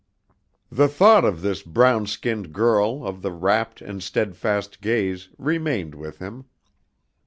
The thought of this brown skinned girl of the rapt and steadfast gaze remained with him.